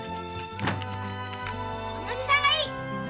おじさんがいい‼